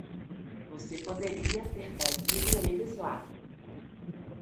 Você poderia ter trazido eles lá!